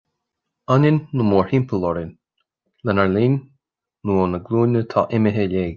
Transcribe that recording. Ionann nó mór thimpeall orainn, lenár linn nó ó na glúine atá imithe i léig